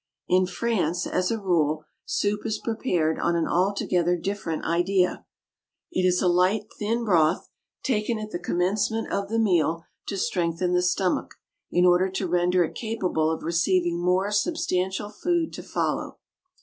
In France, as a rule, soup is prepared on an altogether different idea. It is a light, thin broth, taken at the commencement of the meal to strengthen the stomach, in order to render it capable of receiving more substantial food to follow.